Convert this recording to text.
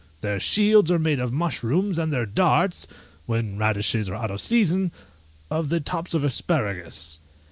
Their shields are made of mushrooms, and their darts (when radishes are out of season) of the tops of asparagus.